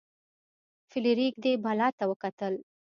فلیریک دې بلا ته وکتل.